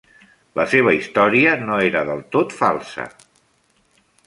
La seva història no era del tot falsa.